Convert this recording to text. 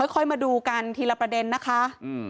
ค่อยมาดูกันทีละประเด็นนะคะ